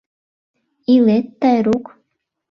Илет, Тайрук!..